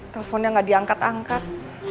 teleponnya gak diangkat angkat